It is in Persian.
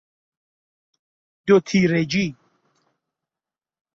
دوتیرگی